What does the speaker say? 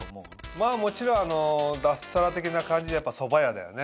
もちろん脱サラ的な感じでやっぱそば屋だよね。